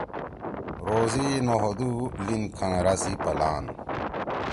روزی نہ ہودُو لیِن کھنگرا سی پلان